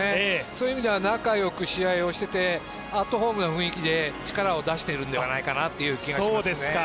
そういう意味では仲良く試合をしていてアットホームな雰囲気で力を出しているんじゃないかという気がします。